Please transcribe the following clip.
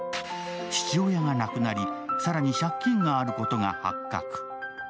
父親が亡くなり、更に借金があることが発覚。